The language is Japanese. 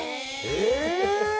え！